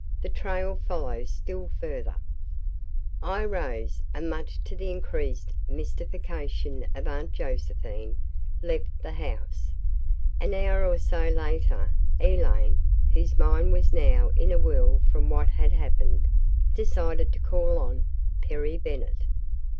The trail follows still further." I rose and much to the increased mystification of Aunt Josephine, left the house. An hour or so later, Elaine, whose mind was now in a whirl from what had happened, decided to call on Perry Bennett.